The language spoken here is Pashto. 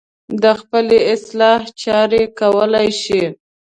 د خپلې اصلاح چاره کولی شي.